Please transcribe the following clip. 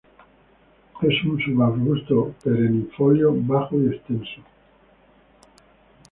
Es un subarbusto perennifolio, bajo y extenso.